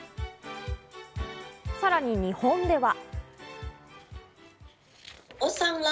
さらに日本では。